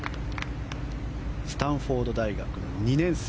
スタンフォード大学の２年生。